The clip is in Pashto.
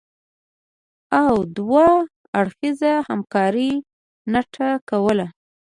او دوه اړخیزې همکارۍ نټه کوله